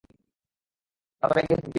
তা তো রেগে থাকবেই।